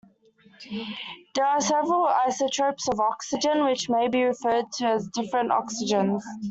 There are several isotopes of oxygen, which might be referred to as different oxygens.